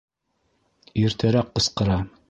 Иртәрәк ҡысҡыра!